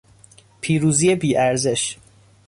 پیروزی بیارزش